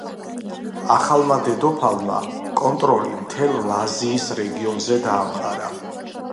ახალმა დედოფალმა კონტროლი მთელ ლაზიის რეგიონზე დაამყარა.